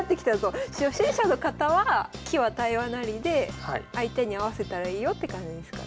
初心者の方は「棋は対話なり」で相手に合わせたらいいよって感じですかね。